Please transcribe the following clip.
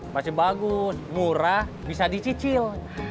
masih bagus murah bisa dicicil